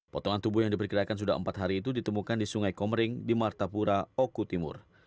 potongan tubuh yang diperkirakan sudah empat hari itu ditemukan di sungai komering di martapura oku timur